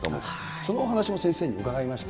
そのお話も先生に伺いました。